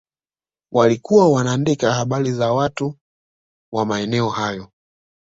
Walikuwa wanaandika habari za watu wa maeneo hayo